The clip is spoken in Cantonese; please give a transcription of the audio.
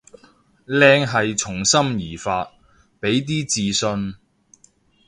靚係從心而發，畀啲自信